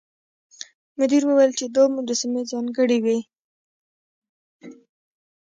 مدیر وویل چې دا مجسمې ځانګړې وې.